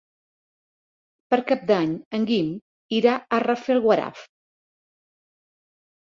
Per Cap d'Any en Guim irà a Rafelguaraf.